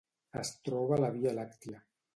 Es troba a la Via Làctia.